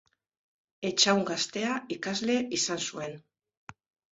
Etxahun gaztea ikasle izan zuen.